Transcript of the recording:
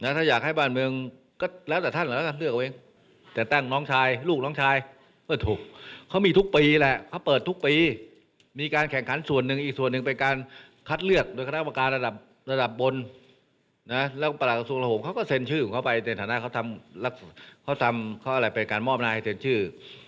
ถ้าอยากให้บ้านเมืองก็แล้วแต่ท่านแล้วก็เลือกเองแต่ตั้งน้องชายลูกน้องชายก็ถูกเขามีทุกปีแหละเขาเปิดทุกปีมีการแข่งขันส่วนหนึ่งอีกส่วนหนึ่งเป็นการคัดเลือกโดยคณะประการระดับระดับบนแล้วประหลักกระทรวงเขาก็เซ็นชื่อของเขาไปในฐานะเขาทำเขาอะไรไปการมอบนายให้เซ็นชื่อ